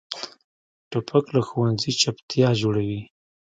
توپک له ښوونځي چپتیا جوړوي.